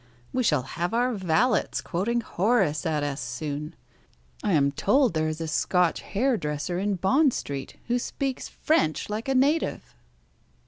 We shall have our valets quoting Horace at us soon. I am told there is a Scotch hairdresser in Bond Street who speaks French like a native."